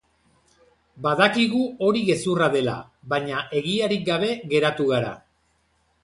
Badakigu hori gezurra dela, baina egiarik gabe geratu gara.